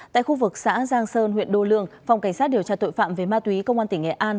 tại khu vực xã giang sơn huyện đô lương phòng cảnh sát điều tra tội phạm về ma túy công an tỉnh nghệ an